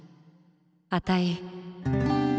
あたい。